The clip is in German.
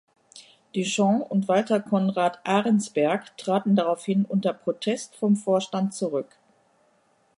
Duchamp und Walter Conrad Arensberg traten daraufhin unter Protest vom Vorstand zurück.